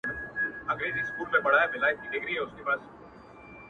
له هوا به پر هوسۍ حمله کومه،